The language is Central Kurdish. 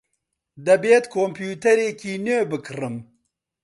دەبێت کۆمپیوتەرێکی نوێ بکڕم.